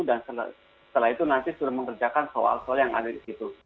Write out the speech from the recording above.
dan setelah itu nanti sudah mengerjakan soal soal yang ada di situ